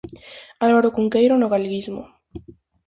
Álvaro Cunqueiro no galeguismo.